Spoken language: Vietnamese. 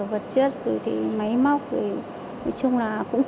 vật chất máy móc thì nói chung là cũng tốt